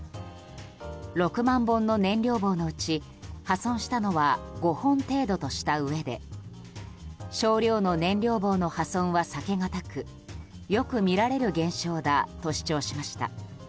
６万本の燃料棒のうち破損したのは５本程度としたうえで少量の燃料棒の破損は避けがたくよく見られる現象だと主張しました。